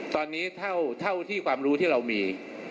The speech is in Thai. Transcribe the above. ตอนนี้เท่าที่ความรู้ที่เรามี